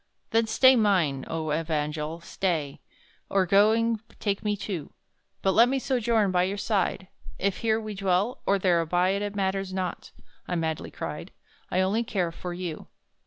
"Then stay, mine own evangel, stay! Or, going, take me too; But let me sojourn by your side, If here we dwell or there abide, It matters not!" I madly cried "I only care for you."